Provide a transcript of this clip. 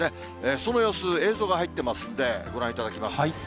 その様子、映像が入っていますので、ご覧いただきます。